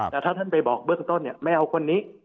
แต่ถ้าท่านไปบอกเบื้องต้นไม่เอาคนนี้